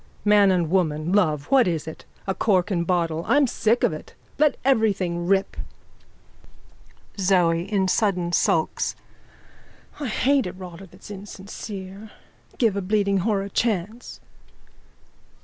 _ Man and woman, love, what is it? A cork and bottle. I'm sick of it. Let everything rip. ZOE: (In sudden sulks.) I hate a rotter that's insincere. Give a bleeding whore a chance.